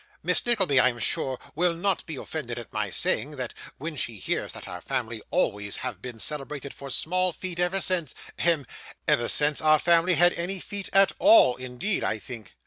Miss Nickleby, I am sure, will not be offended at my saying that, when she hears that our family always have been celebrated for small feet ever since hem ever since our family had any feet at all, indeed, I think.